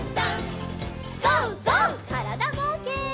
からだぼうけん。